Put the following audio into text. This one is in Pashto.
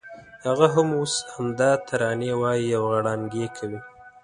هغه هم اوس همدا ترانې وایي او غړانګې کوي.